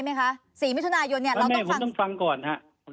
ไหมฮะสี่มิทุนายนต์เนี้ยเราไม่ผมต้องฟังก่อนฮะผม